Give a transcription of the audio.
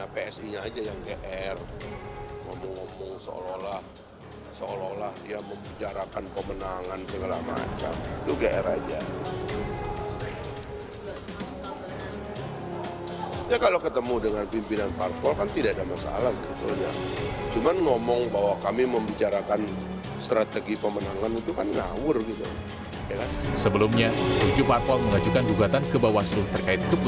fahri hamzah kpu dan kpu